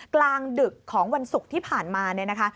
กลางดึกของวันศุกร์ที่ผ่านมาเนี่ยนะคะ